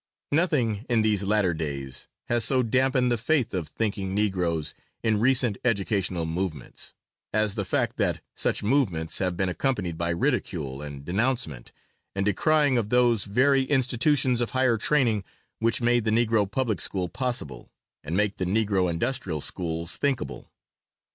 Nothing, in these latter days, has so dampened the faith of thinking Negroes in recent educational movements, as the fact that such movements have been accompanied by ridicule and denouncement and decrying of those very institutions of higher training which made the Negro public school possible, and make Negro industrial schools thinkable.